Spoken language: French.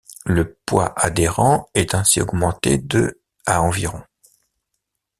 Le poids adhérent est ainsi augmenté de à environ.